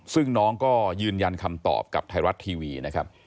ซึ่งน้องก็ยืนยันคำตอบกับไทยรัฐทีวีนะครับ